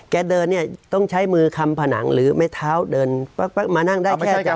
แกเดินเนี่ยต้องใช้มือคำผนังหรือไม้เท้าเดินมานั่งได้แค่จะ